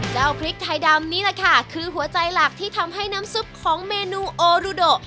พริกไทยดำนี่แหละค่ะคือหัวใจหลักที่ทำให้น้ำซุปของเมนูโอรุโด